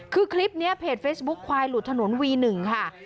คือคลิปนี้เพจเฟซบุ๊คควายหลุดถนนวี๑ค่ะ